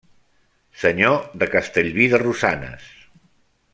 Senyor de Castellví de Rosanes.